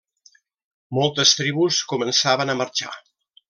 Moltes tribus començaven a marxar.